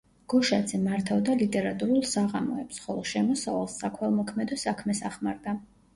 გოშაძე მართავდა ლიტერატურულ საღამოებს, ხოლო შემოსავალს საქველმოქმედო საქმეს ახმარდა.